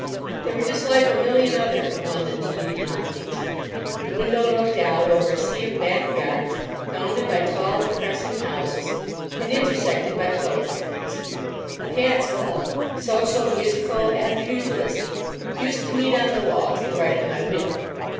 They were just like a million other of London's mean lodgings. The window looked out over a sea of backyards, bounded by tall, depressing houses, and intersected by clothes lines. A cats' club (social, musical, and pugilistic) used to meet on the wall to the right of my window.